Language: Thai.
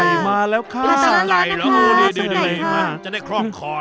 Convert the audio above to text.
อย่าแล้วค่ะสุกไก่ค่ะ